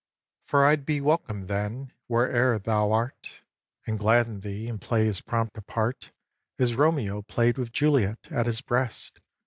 xiii. For I'd be welcome, then, where'er thou art, And gladden thee, and play as prompt a part As Romeo play'd with Juliet at his breast.